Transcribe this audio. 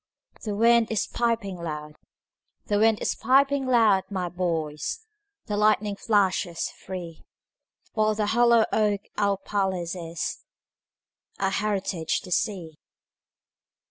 The wind is piping loud; The wind is piping loud, my boys, The lightning flashes free—While the hollow oak our palace is, Our heritage the sea.